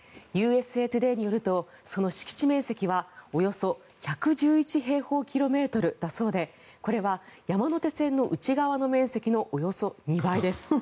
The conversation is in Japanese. ＵＳＡトゥデーによるとその敷地面積は、およそ１１１平方キロメートルだそうでこれは山手線の内側の面積のおよそ２倍です。